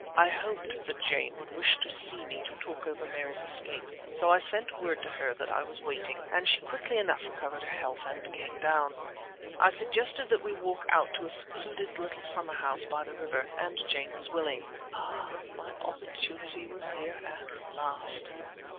I hoped that Jane would wish to see me to talk over Mary's escape so I sent word to her that I was waiting, and she quickly enough recovered her health and came down. I suggested that we walk out to a secluded little summer house by the river, and Jane was willing. Ah! my opportunity was here at last.